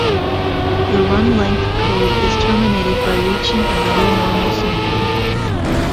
The run-length code is terminated by reaching another normal symbol.